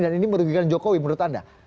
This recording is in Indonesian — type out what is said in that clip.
dan ini merugikan jokowi menurut anda